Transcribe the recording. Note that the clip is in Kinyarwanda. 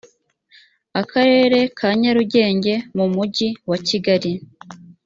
akarere ka nyarungenge mu mujyi wa kigali